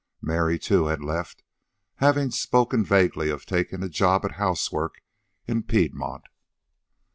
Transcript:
Mary, too, had left, having spoken vaguely of taking a job at housework in Piedmont.